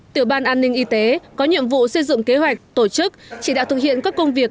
tiểu ban an ninh y tế có nhiệm vụ xây dựng kế hoạch tổ chức chỉ đạo thực hiện các công việc